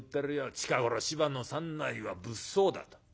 『近頃芝の山内は物騒だ』と。